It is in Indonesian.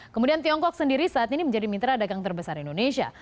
kemudian tiongkok sendiri saat ini menjadi mitra dagang terbesar indonesia